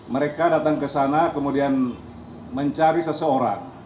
mereka datang ke sana kemudian mencari seseorang